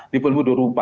di pemilu dua ribu empat